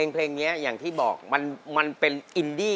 เพลงนี้อย่างที่บอกมันเป็นอินดี้